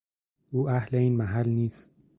او اهل این محل نیست.